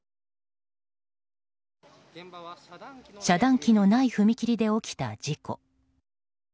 遮断機のない踏切で起きた事故。